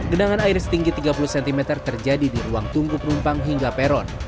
genangan air setinggi tiga puluh cm terjadi di ruang tunggu penumpang hingga peron